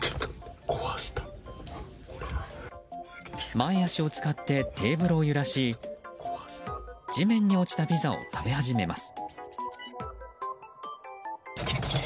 前脚を使ってテーブルを揺らし地面に落ちたピザを食べ始めます。